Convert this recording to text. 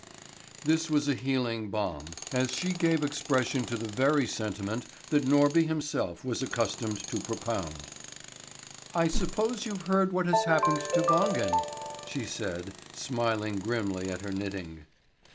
This was a healing balm, as she gave expression to the very sentiment that Norby himself was accustomed to propound. "I suppose you've heard what has happened to Wangen," she said, smiling grimly at her knitting.